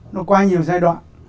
nó qua nhiều giai đoạn